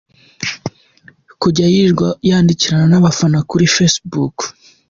kujya yirirwa yandikirana nabafana kuri facebook.